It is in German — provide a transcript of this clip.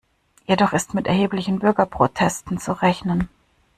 Jedoch ist mit erheblichen Bürgerprotesten zu rechnen.